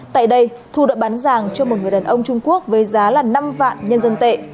tại đây thu đã bán vàng cho một người đàn ông trung quốc với giá là năm vạn nhân dân tệ